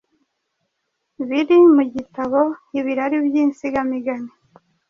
Biri mu gitabo Ibirari by’insigamigani,